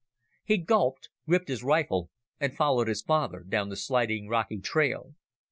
He gulped, gripped his rifle, and followed his father down the sliding rocky trail.